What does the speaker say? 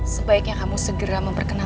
sebaiknya aku akan mencari anda